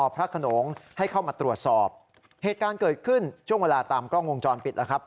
พิการเกิดขึ้นช่วงเวลาตามกล้องวงจรปิด